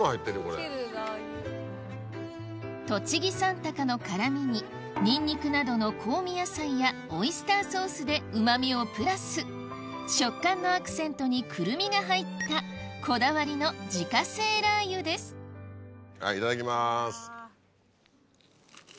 栃木三鷹の辛みにニンニクなどの香味野菜やオイスターソースでうまみをプラス食感のアクセントにくるみが入ったこだわりの自家製ラー油ですいただきます。